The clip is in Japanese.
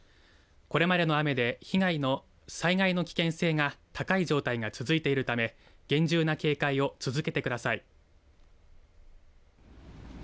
これまでの雨で災害の危険性が高い状態が続いているため厳重な警戒を続けてください。